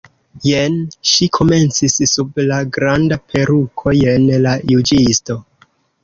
"Jen," ŝi komencis, "sub la granda peruko, jen la juĝisto."